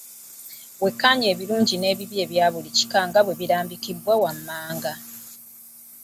Wekkaanye ebirungi n’ebibi ebya buli kika nga bwe birambikiddwa wammanga.